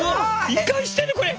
いかしてるこれ！